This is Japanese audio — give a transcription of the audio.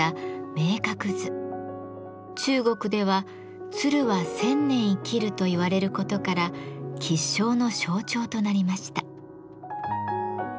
中国では「鶴は１，０００年生きる」と言われることから吉祥の象徴となりました。